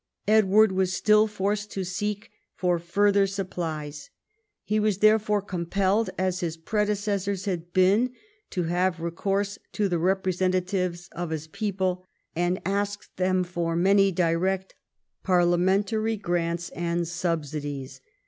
Edward was still forced to seek for further supplies. He was therefore compelled, as his predecessors had been, to have recourse to the representatives of his people, and asked them for many direct parliamentary grants and subsidies.